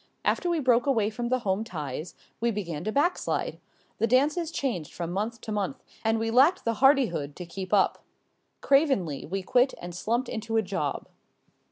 After we broke away from the home ties we began to back slide. The dances changed from month to month and we lacked the hardihood to keep up. Cravenly we quit and slumped into a job.